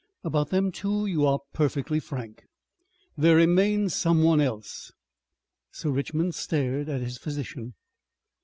About them too you are perfectly frank... There remains someone else." Sir Richmond stared at his physician.